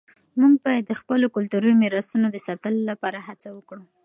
موږ باید د خپلو کلتوري میراثونو د ساتلو لپاره هڅه وکړو.